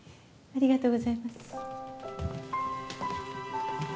ありがとうございます。